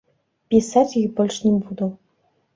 Пісаць ёй больш не буду.